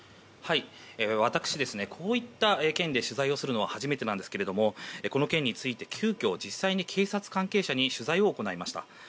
私、こういった件で取材をするのは初めてですが、この件について急きょ実際に警察関係者に取材を行いました。